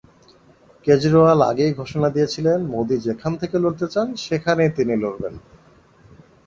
কেজরিওয়াল আগেই ঘোষণা দিয়েছিলেন মোদি যেখান থেকে লড়তে চান সেখানেই তিনি লড়বেন।